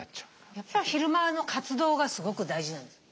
やっぱ昼間の活動がすごく大事なんですね。